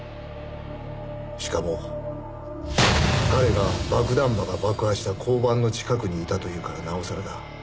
しかも彼が爆弾魔が爆破した交番の近くにいたというからなおさらだ。